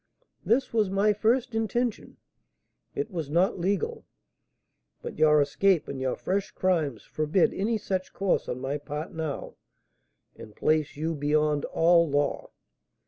This was my first intention, it was not legal; but your escape and your fresh crimes forbid any such course on my part now, and place you beyond all law.